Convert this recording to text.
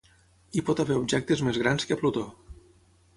Hi pot haver objectes més grans que Plutó.